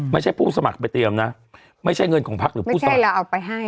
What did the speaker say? ผู้สมัครไปเตรียมนะไม่ใช่เงินของพักหรือผู้สมัครที่เราเอาไปให้